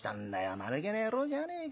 まぬけな野郎じゃねえか。